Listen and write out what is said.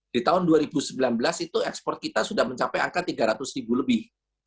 di tahun dua ribu sembilan belas itu ekspor kita sudah mencapai angka tiga ratus ribu lebih